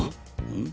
ん？